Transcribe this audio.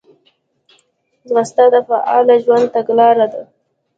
ځغاسته د فعاله ژوند تګلاره ده